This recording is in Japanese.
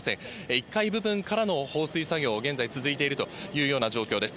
１階部分からの放水作業、現在続いているというような状況です。